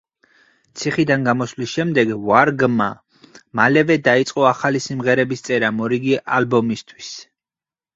ციხიდან გამოსვლის შემდეგ ვარგმა მალევე დაიწყო ახალი სიმღერების წერა მორიგი ალბომისთვის.